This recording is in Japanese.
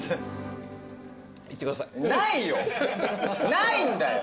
ないんだよ！